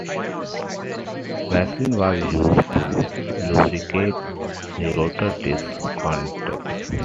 Vaseline was used to lubricate the rotor disc contacts.